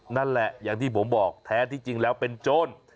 นั่นแหละอย่างที่ผมบอกแท้ที่จริงแล้วเป็นโจร